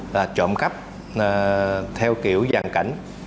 là trộm cắp theo kiểu dàn cảnh